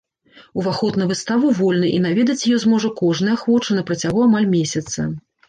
Уваход на выставу вольны і наведаць яе зможа кожны ахвочы на працягу амаль месяца.